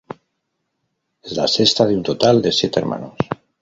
Es la sexta de un total de siete hermanos.